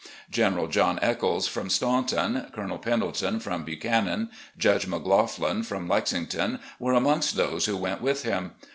General John Echols, from Staunton, Colonel Pendleton, from Buchanan, Judge McLaughlin, from Lexington, were amongst those who went with him.